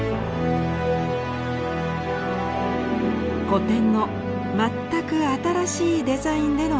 古典の全く新しいデザインでの再生。